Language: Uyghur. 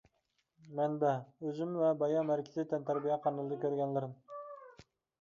مەنبە :ئۆزۈم ۋە بايا مەركىزى تەنتەربىيە قانىلىدا كۆرگەنلىرىم.